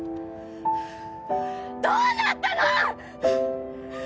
どうなったの！